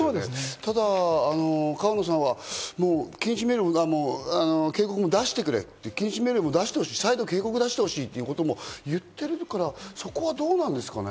ただ、川野さんは禁止命令も警告も出してくれと、再度、警告を出してほしいということも言っているから、そこはどうなんですかね？